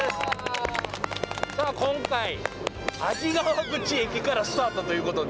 さあ今回安治川口駅からスタートということで。